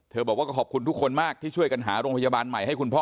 บอกว่าก็ขอบคุณทุกคนมากที่ช่วยกันหาโรงพยาบาลใหม่ให้คุณพ่อ